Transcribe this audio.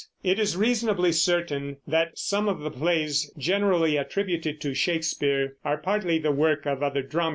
It is reasonably certain that some of the plays generally attributed to Shakespeare are partly the work of other dramatists.